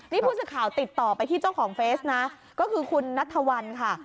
นี่ผู้สื่อข่าวติดต่อไปที่เจ้าของเฟสนะก็คือคุณนัทธวัลค่ะ